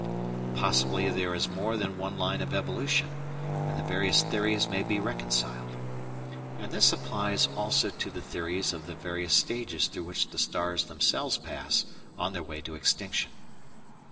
Possibly there is more than one line of evolution, and the various theories may be reconciled. And this applies also to the theories of the various stages through which the stars themselves pass on their way to extinction.